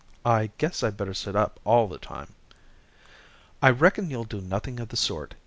"I guess I'd better sit up all the time." "I reckon you'll do nothing of the sort.